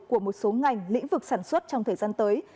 của một số ngành lĩnh vực sản xuất trong thời gian tới